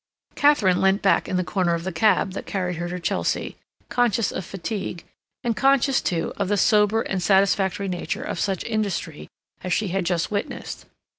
Katharine leant back in the corner of the cab that carried her to Chelsea, conscious of fatigue, and conscious, too, of the sober and satisfactory nature of such industry as she had just witnessed.